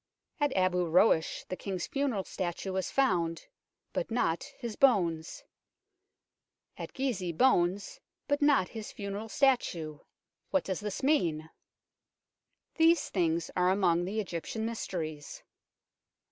At Abu Roash the King's funeral statue was found, but not his bones ; at Gizeh bones, but not his funeral statue. What does this 152 UNKNOWN LONDON mean ? These tilings are among the Egyptian mysteries.